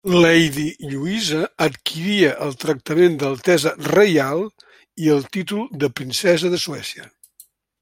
Lady Lluïsa adquiria el tractament d'altesa reial i el títol de princesa de Suècia.